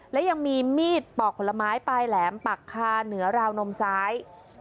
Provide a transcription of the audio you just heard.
และยังมีมีดปอกผลไม้ปลายแหลมปักคาเหนือราวนมซ้าย